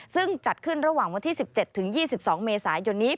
ซึ่งจัดขึ้นระหว่างวันที่๑๗ถึง๒๒เมษายนนี้